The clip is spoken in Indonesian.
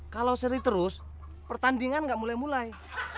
kalau seri terus pertandingan nggak mulai mulai